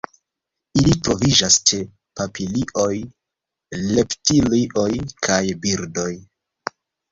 Ili troviĝas ĉe papilioj, reptilioj kaj birdoj.